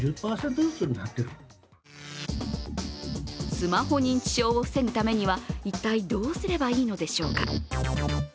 スマホ認知症を防ぐためには一体どうすればいいのでしょうか。